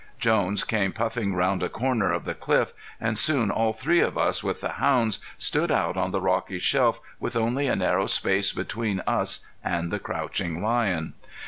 Jones came puffing around a corner of the cliff, and soon all three of us with the hounds stood out on the rocky shelf with only a narrow space between us and the crouching lion.